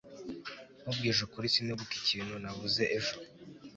nkubwije ukuri, sinibuka ikintu navuze ejo